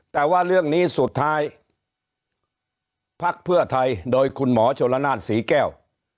แต่ว่าเรื่องนี้สุดท้ายภักดิ์เพื่อไทยโดยคุณหมอชนละนานศรีแก้ว